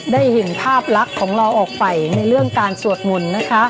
ได้เห็นภาพลักษณ์ของเราออกไปในเรื่องการสวดมนต์นะคะ